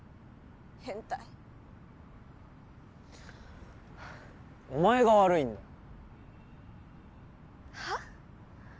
変態お前が悪いんだはあ？